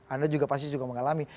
anda juga pasti juga mengalami